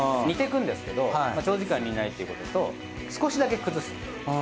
煮ていくんですけど長時間煮ないということと少しだけ崩す。